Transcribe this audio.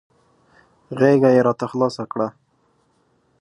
غېږه یې راته خلاصه کړه .